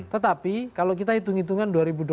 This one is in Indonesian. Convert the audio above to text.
tetapi kalau kita hitung hitungan dua ribu dua puluh empat